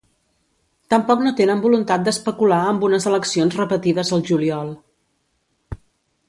Tampoc no tenen voluntat d’especular amb unes eleccions repetides al juliol.